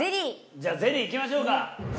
じゃあゼリーいきましょうか。